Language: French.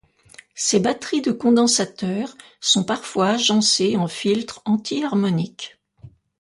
Ces batteries de condensateurs sont parfois agencées en filtre anti-harmonique.